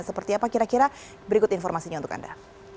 seperti apa kira kira berikut informasinya untuk anda